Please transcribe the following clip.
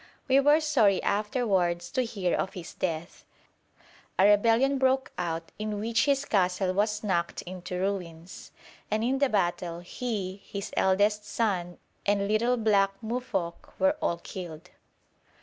We were sorry afterwards to hear of his death. A rebellion broke out, in which his castle was knocked into ruins, and in the battle he, his eldest son, and little black Muoffok were all killed.